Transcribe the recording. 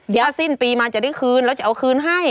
เดี๋ยวถ้าสิ้นปีมาจะได้คืนแล้วจะเอาคืนให้